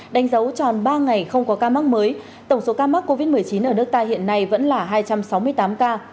đánh dấu tròn ba ngày không có ca mắc mới tổng số ca mắc covid một mươi chín ở nước ta hiện nay vẫn là hai trăm sáu mươi tám ca